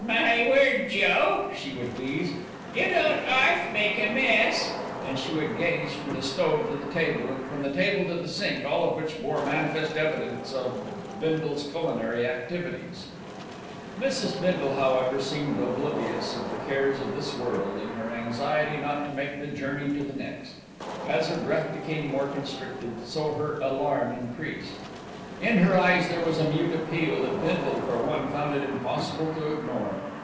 "My word, Joe!" she would wheeze. "You don't 'alf make a mess," and she would gaze from the stove to the table, and from the table to the sink, all of which bore manifest evidence of Bindle's culinary activities. Mrs. Bindle, however, seemed oblivious of the cares of this world in her anxiety not to make the journey to the next. As her breath became more constricted, so her alarm increased. In her eyes there was a mute appeal that Bindle, for one, found it impossible to ignore.